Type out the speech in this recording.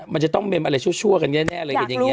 มันจะต้องเมมอะไรชั่วกันแน่เลยเห็นอย่างนี้